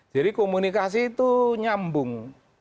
jadi komunikasi itu nyambung